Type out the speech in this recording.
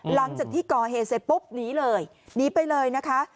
หลังจากที่ก่อเหตุเสร็จปุ๊บหนีเลยหนีไปเลยนะคะ